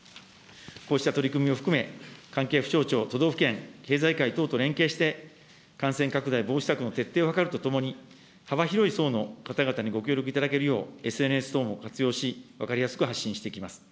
こうした取り組みを含め、関係府省庁、都道府県、経済界等と連携して感染拡大防止策の徹底を図るとともに、幅広い層の方々にご協力いただけるようにＳＮＳ等も活用し、分かりやすく発信していきます。